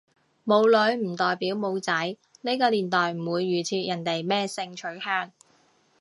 冇女唔代表冇仔，呢個年代唔會預設人哋咩性取向